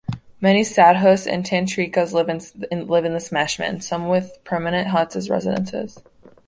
Many Sadhus and Tantrikas live in the smashan, some with permanent huts as residences.